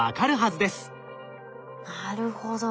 なるほど。